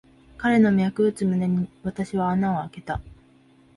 彼の脈打つ胸に、私は穴をあけた。